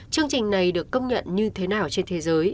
chương trình này được công nhận như thế nào trên thế giới